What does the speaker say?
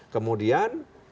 kemudian ya ada pertemuan